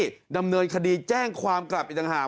ดำเนินคดีแจ้งความกลับอีกต่างหาก